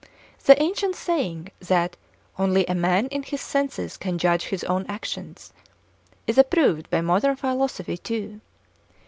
The ancient saying, that 'only a man in his senses can judge of his own actions,' is approved by modern philosophy too.